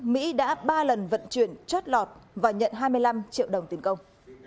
mỹ đã ba lần vận chuyển chót lọt và nhận hai mươi năm triệu đồng tiền công